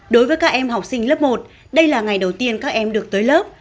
đối với các em học sinh lớp một đây là ngày đầu tiên các em được tới lớp